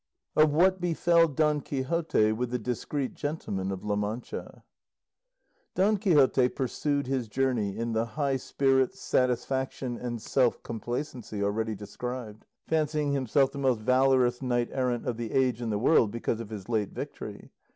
OF WHAT BEFELL DON QUIXOTE WITH A DISCREET GENTLEMAN OF LA MANCHA Don Quixote pursued his journey in the high spirits, satisfaction, and self complacency already described, fancying himself the most valorous knight errant of the age in the world because of his late victory.